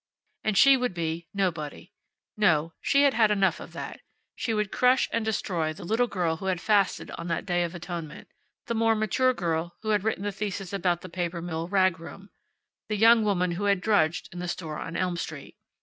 And she would be nobody. No, she had had enough of that. She would crush and destroy the little girl who had fasted on that Day of Atonement; the more mature girl who had written the thesis about the paper mill rag room; the young woman who had drudged in the store on Elm Street.